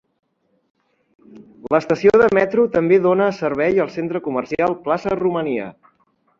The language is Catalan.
L'estació de metro també dona servei al centre comercial Plaza Romania.